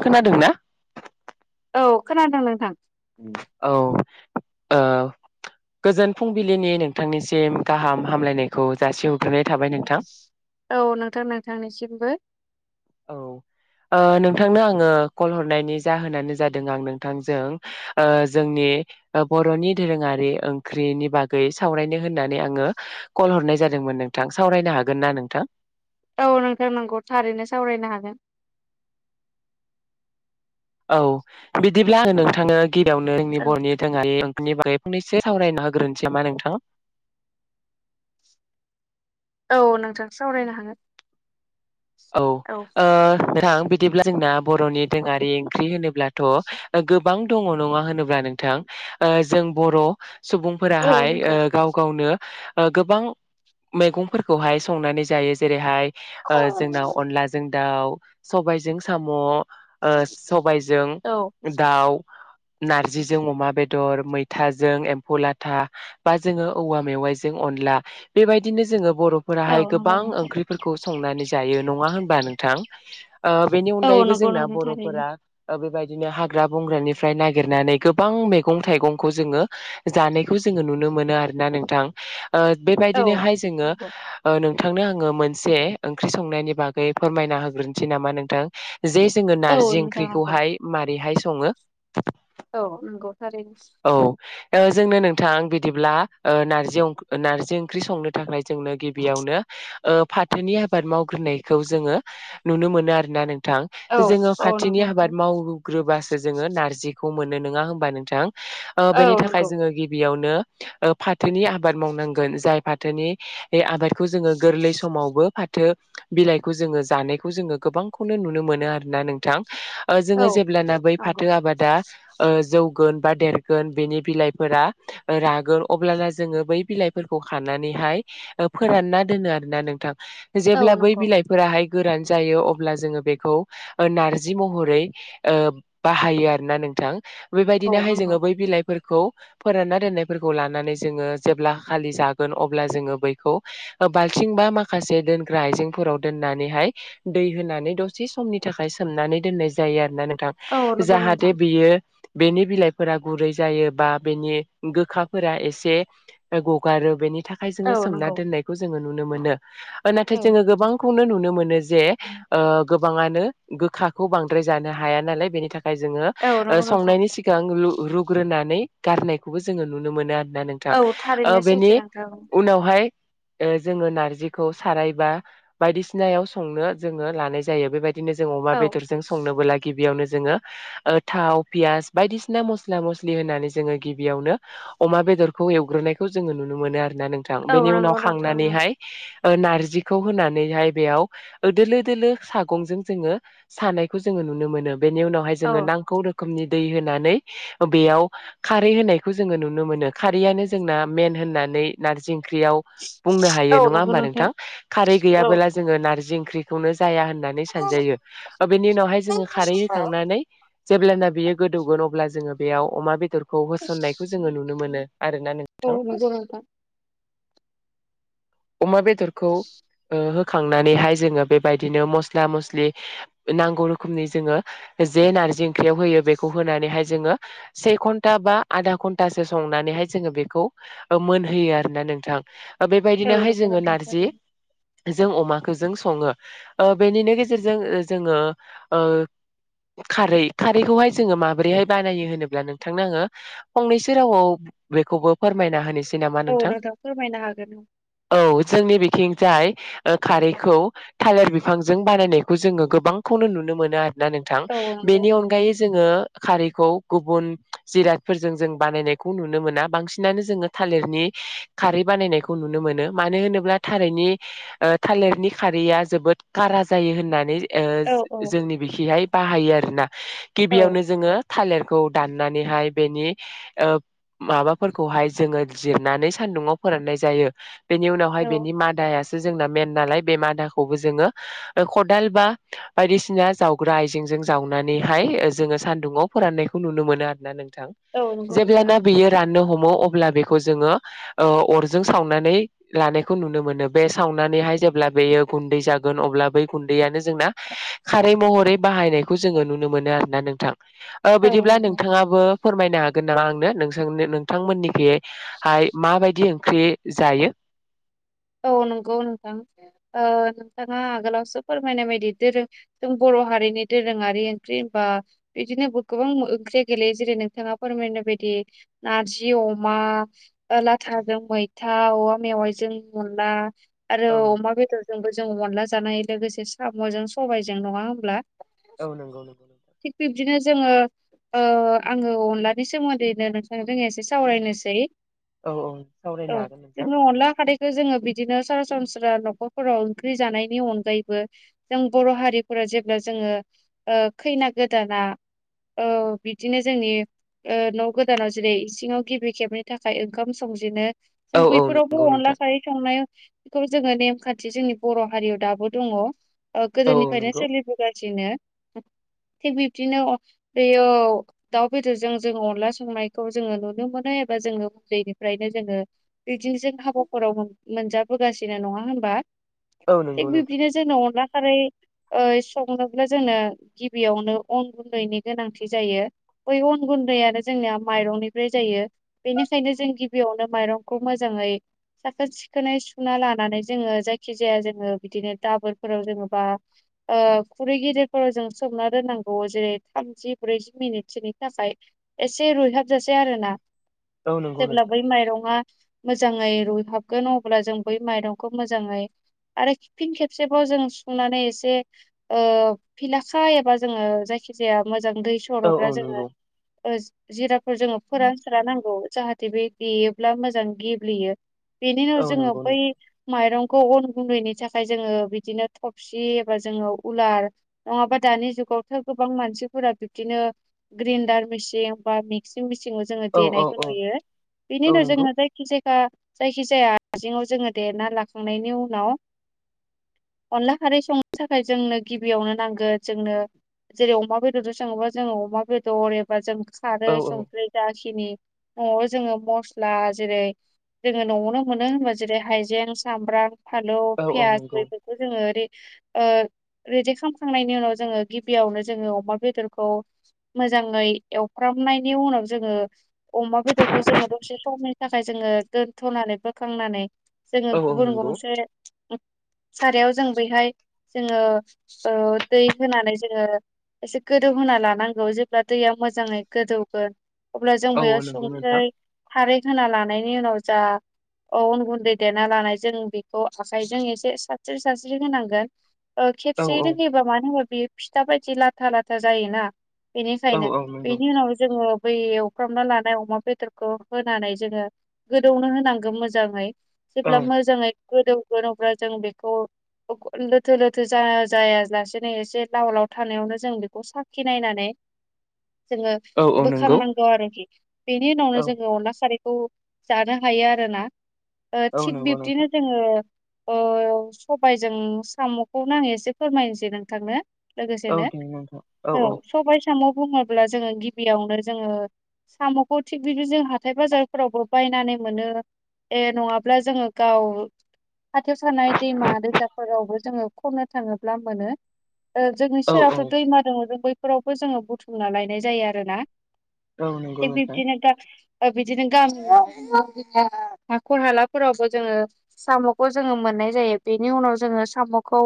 खोनादों ना औ खोनादों नोंथां औ ओ [inaudible] गोजोन फुंबिलिनि नोंथांनिसिम गाहाम हामलायनायखौ जासिहग्रोनाय थाबाय नोंथां औ नोंथां नोंथांनिसिमबो औ ओ नोंथांनो आङो कल हरनायनि जाहोनानो जादों आं नोंथांजों ओ‌‌ जोंनि बर'नि दोरोङारि ओंख्रिनि बागै सावरायनो होननानै आङो कल हरनाय जादों जादोंमोन नोंथां सावरायनो हागोन ना नोंथां औ नोंथां नोंगौ थारैनो सावरायनो हागोन औ बिदिब्ला आङो नोंथांनो गिबियावनो जोंनि बर'नि दोरोङारि नि बागै फंनैसो सावरायनो होग्रोनिसै नामा नोंथां औ नोंथां सावरायनो हागोन औ ओ नोंथां बिदिब्ला जोंना बर'नि दोरोङारि ओंख्रि होनोब्लाथ' गोबां दङ नङा होनोब्ला नोंथां जों बर' औ सुबुंफोराहाय ओ नंगौ गाव गावनो ओ‌ गोबां मैगंफोरखौहाय संनानै जायो जेरैहाय औ ओ जोंनाव अनलाजों दाउ सबायाइजों साम' ओ सबाइजों दाउ‌ नारजिजों अमा बेदर मैथाजों एम्फौ लाथा बा जोङो औवा मेवायजों अनला बेबायदिनो जोङो औ बर'फोराहाय नंगौ गोबां नोंथां ओंख्रिफोरखौ संनानै जायो नङा होनबा नोंथां ओ‌ बेनि औ अनगायैबो नंगौ जोंना नोंथां थारैनो बर'फोरा ओ बेबायदि बादिनो हाग्रा बंग्रानिफ्राय नागिरनानै गोबां मैगं थाइगंखौ जोङो जानायखौ जोङो नुनो मोनो आरोना नोंथां ओ औ बेबायदिनोहाय जोङो नंगौ नोंथांनो आङो मोनसे ओंख्रि संनायनि बागै फोरमायना होग्रोनोसै नामा नोंथां जे जोङो औ नार्जि नोंथां नंगौ ओंख्रिखौहाय माबारैहाय सङो औ नंगौ थारैनो औ जोंनो नोंथां‌ बिदिब्ला ओ नारजि नारजि ओंख्रि संनो थाखाय जोंनो गिबियावनो ओ फाथोनि आबाद मावग्रोनायखौ जोङो नुनो मोनो आरोना नों नोंथां औ जोङो औ फथोनि नंगौ नोंथां आबाद मावग्रोबासो जोङो नारजिखौ मोनो नङा होनोमबा नोंथां ओ औ बेनि थाखाय नंगौ जोङो गिबियाव नो ओ फाथोनि आबाद मावनांगोन जाय फाथोनि आबादखौ जोङो गोरलै समावबो फा थो बिलाइखौ जोङो जानायखौ जोङो गोबांखौनो नुनो मोनो आरोना नोंथां औ जोङो जेब्लाना बै नंगौ फाथो आबादा ओ जौ गोन बा देरगोन बिनि बिलायफोरा रागोन अब्लाना जोंङो बै बिलायफोरखौ खानानै हाय फोरानना दोनो आरोना नोंथां औ जेब्ला बै नंगौ बिलाइफोराहाय गोरान जायो अब्ला जोङो बेखौ नार्जि महरै ओ बाहायो आरोना नों थां औ बैबायदिनोहाय नंगौ जोङो बै बिलाइफोर खौ फोरानना दोननायफोरखौ लानानै जोङो जेब्ला खालि जागोन अब्ला जोङो बैखौ बालथिं बा माखासे दोन ग्रा आइजेंफोराव दोननानैहाय दै होनानै दसे समनि थाखाय सोमनानै दोननाय जायो आरोना नों थां औ नंगौ जाहाथे नोंथां बियो बेनि बिलाइफोरा गुरै जायो बा बेनि गोखाफोरा एसे गगारो बेनि थाखाय जोङो औ सोमना नंगौ दोननायखौ जोङो नुनो मोनो । नाथाय औ जोङो गोबांखौनो नुनो मोनो जे ओम गोबाङानो गोखाखौ बांद्राय जानो हाया नालाय बेनि थाखा खाय जोङो औ नंगौ नोंथां संनायनि सिगां रु रुग्रोनानै गारनायखौबो जोङो नुनो मोनो आरो दा नोंथां औ थारैनो सैथो बेनि नोंथां उनावहाय ओ जोङो नारजिखौ सारायबा बायदिसिनायाव संनो जोङो लानाय जायो बेबाय दिनो जों अमा औ बेदरजों संनोबोब्ला गिबियावनो जों जोङो थाव पियास बायदिसिना मस्ला मस्लि होननानै जोङो गिबियावनो अमा बे बेदरखौ एवग्रोनायखौ जोंङो नुनो मोनो आरोना नोंथां औ बेनि उनाव नंगौ नोंथां खांनानैहाय ओ नारजिखौ होनानैहाय बेयाव दोलो दोलो सागंजों जोङो सानायखौ जोङो नुनो मोनो बेनि उनावहाय औ जोङो नांगौ रोखोमनि दै होनानै बेयाव खारै होनायखौ जोङो नुनो मोनो खारैयानो जोंना मेन होनना नै नारजि ओं ख्रियाव बुंनो हायो औ नङा नंगौ होमबा नोंथां खारै औ गैयाबोला जोङो नारजि ओंख्रिखौनो जाया होननानै सानजायो बेनि उनावहाय जोङो खारै होखांनानै जेब्लाना बियो गोदौगोन अब्ला जोङो बेयाव अमा बेदरखौ होसननायखौ जोङो नुनो मोनो आरोना औ नोंथां नंगौ नोंथां अमा बेदरखौ ओ खांनानैहाय जोङो बेबायदिनो मस्ला मस्लि नांगौ रोखोमनि जोङो जे ना जि ओंख्रियाव होयो बेखौ होनानैहाय जोङो से घन्टा बा आदा घन्टासो संनानैहाय जोङो बे खौ मोनहोयो आरोना नोंथां औ बेबायदिनोहाय नंगौ जोङो नोंथां नारजि थारैनो जों अमाखौ जों सङो बेनिनो गेजेरजों जोङो खारै खारैखौहाय जोङो माबोरैहाय बानायो होनोब्ला नोंथांनो आङो फंनैसो रावाव बेखौबो फोरमायना होनोसै नामा औ नोंथां फोरमायनो हागोन औ थिंजाय ओ खारैखौ थालिर बिफांजों बानायनायखौ जोङो गोबांखौनो नुनो मोनो आरो ना नोंथां औ नंगौ बेनि औ अनगायै जोङो खारैखौ गुबुन जिरादफोरजों जों बानायनायखौ नुनो मोना बांसिनानो जोङो थालिरनि खारै बानायनायखौ नुनो मोनो मानो होनोब्ला थालिरनि ओ थालिरनि खारैया जोबोद कारा जायो होननानै ओ औ औ जोंनि बिखिहाय बाहायो आरोना औ गिबियावनो जोङो थालिरखौ दाननानैहाय बेनि ओ माबाफोरखौहाय जोङो जिरनानै सान न्दुंआव फोराननाय जायो बेनि उनावहाय औ बेनि मादायासो जोंना मेन नालाय बे मादाखौबो जोङो खदाल बा बायदिसिना जावग्रा आइजेंजों जावनानैहाय जोङो सान्दुुंङाव फोराननायखौ नुनो मोनो आरोना नों थां औ नंगौ नोंथां जेब्लाना बियो राननो हम मो अब्ला बेखौ जोङो अरजों सावनानै लानाय खौ नुनो मोनो बे सावनानैहाय जेब्ला बेयो गुन्दै जागोन अब्ला बै गुन्दैयानो जोंना खारै महरै बाहायनायखौ जोङो नुनो मोनो आरो ना नोंथां ओ औ बिदिब्ला नंगौ नोंथाङाबो फोरमायनो हागोन नामा आंनो नोंनो नोंथांमोननिख हाय माबायदि ओंख्रि जायो। औ नंगौ नोंथां ओ नोंथाङा आगोलावसो फोरमायनाय बायदिआरो जों बर' बर' हारिनि दोरोङारि ओंख्रि बा बिदिनो गोबां ओंख्रिया गेलेयो जेरै नोंथाङा फोरमायनो बाय दि नारजि अमा लाथाजों मैथा औवा मेवाइजों अनला आरो औ नंगौ अमा बेदरजोंबो जों अनला जानाय लोगोसे साम'जों सबायाइजों नङा होमब्ला औ नंगौ नंगौ नंगौ बिदिनो जोङो ओ आङो अनलानि सोमोन्दैनो नोंथां जो एसे सावरायनोसै औ औ औ सावरायनो हागोन नोंथां जोंनो अनला खारदै जोङो बिदिनो सरासनस्रा न'खरफोराव ओंख्रि जानायनि अनगायैबो जों बर' हारिफोरा जेब्ला जोङो ओ खैना गोदाना औ बिदिनो जोंनि ओ न' गोदानाव जेरै इसिङाव गिबि खेबनि थाखाय ओंखाम संजेनो औ जों औ बैफोरावबो नंगौ अनला नोंथां संनाय बेखौ जोङो नेमखान्थि जोंनि बर' हारियाव दाबो दं ओ औ औ गोदोनिफ्रायनो नंगौ सोलिबोगासिनो थिग बिब्दिनो बेयो दाउ बेदरजों जों अनला संनायखौ जोङो नुनो मोनो जोङो उन्दैनिफ्रायनो जोङो बिदिनोसै हाबा हराव मोनजाबोगासिनो नङा होनबा औ थिग नंगौ नोंथां बिब्दिनो जोंनो अनला खारै ओ संनोब्ला जोंनो गिबियावनो अन गुन्दैनि गोनांथि जायो बै अन गुन्दैानो जोंनिया माइरंनिफ्राय जायो बेनिखायनो जों गिबियावनो माइरंखौ मोजाङै साखोन सिखोनै सुखुना लानानै जोङो जायखि जाया जोङो बिदिनो दाबोरफोराव जेनबा ओ खुरै गिदिरफोराव जों सोमना दोननांगौ जेरै थामजि ब्रैजि मिनिटसोनि थाखाय एसे रुइहाबजासै आरो ना औ नंगौ जेब्ला नोंथां बै माइरं आ मोजाङै रुयहाबगोन अब्ला जों बै माइरंखौ मोजाङै आरो फिन खेबसेबाव जों सुनानै एसे ओ फिलाखा एबा जोङो जाय जायखि जाया मोजां दै औ औ सर'ग्रा जोङो नंगौ ओ जिराफोर जोङो फोरान सोर नांगौ जाहाथे बे देयोब्ला मोजां गेब्लेयो बेनि उनाव औ जोङो नंगौ बै नोंथां माइरं अन गुन्दैनि थाखाय जोङो बिदिनो थफसि एबा जोङो उलार नङाबा दानि जुग गावथार गोबां मानसिफोरा बिब्दिनो ग्रडार मिसिन बा मिक्सिं मेसिन सिङाव जोङो औ औ देनायखौ औ नुयो बिनि औ उनाव नंगौ जोङो जायखि जाया जायखि जाया आजेंङाव जोङो देना लाखांनायनि उनाव अनला खारै संनो थाखाय जोंनो गिबियावनो नांगोन जोंनो जेरै अमा बेदरजों सङोबा जोङो अमा बेदर एबा जों खारै औ औ संख्रि जाखिनि न'आव जोङो मस्ला जेरै जोङो न'आवनो मोनो होनबा जेरै हाइजें सामब्राम फलौ औ औ पियास नंगौ बेफोरखौ जोङो ओरै ओ रेदि खालामखांनायनि उनाव जोङो गिबियावनो जोङो अमा बेदरखौ मोजाङै एवफ्रामनायनि उनाव जोङो अमा बेदरखौ जोङो दसे समनि थाखाय जोङो दोन्थ'नानै बोखांनानै जोङो औ औ गुबुन नंगौ गंसे सारायाव जों बहाय जोङो ओ दै होनानै जोङो एसे गोदौहा लानांगौ जेब्ला दैया मोजाङै गोदौगोन अब्ला जों औ बेयाव औ नंगौ संख्रै नोंथां खारै होना लानायनि उनाव जा उन गुन्दै देना लानाय जों बेखौ आखाइजों एसे सस्रि सास्रि होनांगोन ओ औ खेबसे औ रोङयोबा मानो होनोबो बेयो फिथा बायदि लाथा लाथा जायोना औ बेनिखायनो औ नंगौ बेनि उनाव जोङो बै एवफ्रामना लानाय अमा बेदरखौ होनानै जोङो गोदौनो होनांगौ मोजाङै औ जेब्ला मोजाङै गोदौगोन अब्ला जों बेखौ लोथो लोथो जा जायालासेनो एसे लाव लाव थानायावनो जों बेखौ साखि नायनानै जोङो औ औ नंगौ बोखांनांगौ आरोखि बेनि उनावनो औ जोङो अनला सारैखौ जानो हायो आरोना औ थिग नंगौ नोंथां बिब्दिनो जोङो सबायजों साम'खौ नाङै एसे फोरमायनोसै नोंथांनो औ लोगोसेनो दे नोंथां औ सबाय साम' बुङोब्ला जोङो गिबियावनो जोङो साम'खौ थिग बिदि जों हाथाय बाजारफोरावबो बायनानै मोनो ए नङाब्ला जोङो गाव खाथियाव थानाय दैमा दैसाफोरावबो जोङो खननो थाङोब्ला मोनो। जोंनि औ सेरावथ' औ दैमा दंङो जों बैफोरावबो जोङो बुथुमना लायनाय जायो आरो ना औ नंगौ नोंथां बिदिनो गा बिदिनो [unintelligible] हाखर हालाफोरावबो जोङो साम'खौ जोङो मोननाय जायो बेनि उनाव जों सामुखौ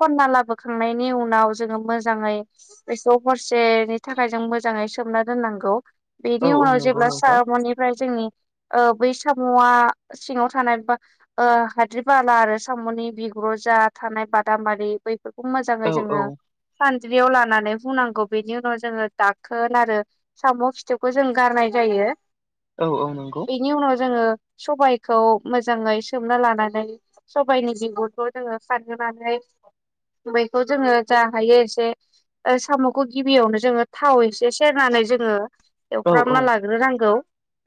खनना लाबोखांनायनि उनाव जोङो मोजाङै बेखौ हरसेनि थाखाय जों मोजाङै सोमना दोननांगौ औ बेनि औ उनाव नंगौ जेब्ला नोंथां सामुनिफ्राय जोंनि बै साम'आ सिङाव थानाया हाद्रि बाला आरो साम'नि बिगुर जा थानाय बादामालि बैफोरखौ औ मोजाङै औ जोङो सान द्रियाव लानानै हुनांगौ बेनि उनाव जोङो दाखोन आरो साम' खिथौखौ जों गारनाय जायो। औ औ नों बेनि उनाव जोङो सबायखौ मोजाङै सोमना लानानै सबायाइनि बिगुरखौ जोङो सानहोनानै बैखौ जोङो जा हायो एसे साम'खौ गिबियावनो जोङो थाव एसे सेरनानै जोङो औ एवफ्रामना लाग्रोनांगौ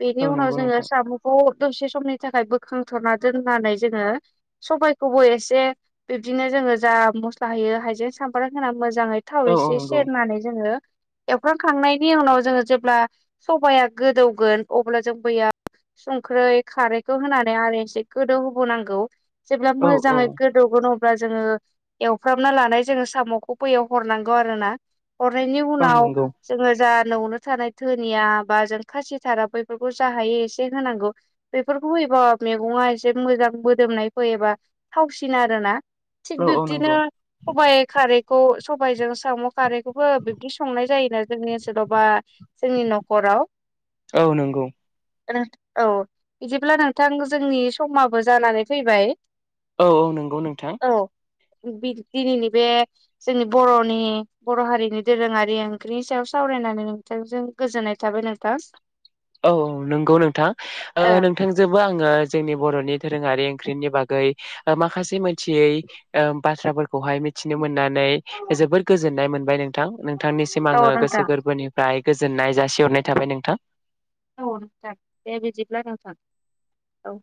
बेनि औ उनाव नंगौ जोङो नोंथां साम'खौ दसे समनि थाखाय बोखांथ'ना दोननानै जोङो सबबायखौबो एसे बिबदिनो जों ङो जा मस्ला होयो हाइजें सामब्राम होना मोजाङै थाव औ औ एसे नंगौ सेरनानै जोङो एवफ्रांखांनायनि उनाव जोङो जेब्ला सबाया गोदौगोन अब्ला जों मैया संख्रै खारैखौ होनानै आरो एसे गोदौहोबोनांगौ जेब्ला औ मोजाङै गोदौगोन अ ब्ला जोङो एवफ्रामना लानाय जोङो साम'खौ बैयाव हरनांगौ आरो ना हरनायनि औ उनाव नंगौ जोङो जा न'आवनो थानाय धोनिया बा जों खासिथारा बैफोरखौ जाहायो एसे होनांगौ बेफोरखौ होयोबा मैगङा एसे मोजां मोदोमनाय फैयोबा थावसिन आरोना थिग औ औ नंगौ बिब्दिनो सबाइ खारै सबायजों साम' खारैखौबो बिब्दि संनाय जायोना जोंनि ओनसोलाव बा जोंनि न'खराव हेलौ औ नंगौ औ बिदिब्ला नोंथां जोंनि समाबो जानानै फैबाय औ औ नंगौ नोंथां औ दिनैनि बे जोंनि बर'नि बर' हारिनि दोरोङारि ओंख्रिनि सायाव सावरायनानै नोंथांजों गोजोननाय थाबाय नोंथां औ औ नंगौ नोंथां ओ नोंथांजोंबो आङो जोंनि बर'नि थाखै दोरोङारि ओंख्रिनि बागै माखासे मोनथियै बाथ्राफोरखौहाय मिथिनो मोननानै जोबोद गोजोननाय मोनबाय नों थां नोंथांनिसिम औ आङो गोसो नोंथां गोरबोनिफ्राय गोजोननाय जासिहरनाय थाबाय नोंथां औ नोंथां बे बिदिब्ला नोंथां औ